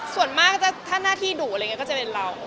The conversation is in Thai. ส่วนมากถ้าหน้าที่ดุก็จะเป็นเรา